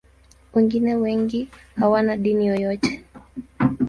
Wengine wengi hawana dini yoyote.